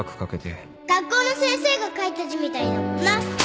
学校の先生が書いた字みたいだもんな。